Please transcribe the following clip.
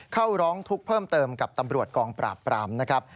เข้าร้องทุกข์เพิ่มเติมกับตำรวจกองปราบปรามนะครับ